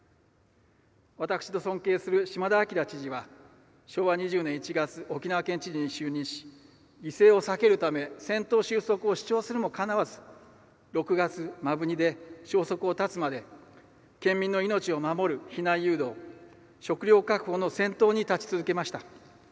私の尊敬する島田叡知事は昭和２０年１月沖縄県知事に就任し犠牲を避けるため戦闘終息を主張するもかなわず６月、摩文仁で消息を絶つまで県民の命を守る避難誘導食糧確保の先頭に立ち続けました。